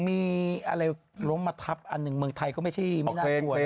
มีอะไรล้มมาทับอันหนึ่งเมืองไทยก็ไม่ใช่ไม่น่ากลัวนะ